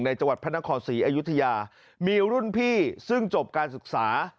จังหวัดพระนครศรีอยุธยามีรุ่นพี่ซึ่งจบการศึกษา